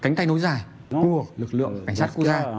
cánh tay nối dài của lực lượng cảnh sát quốc gia